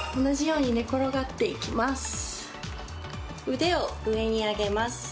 腕を上に上げます。